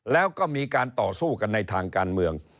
แล้วก็มีการต่อสู้กันในทางการเมือง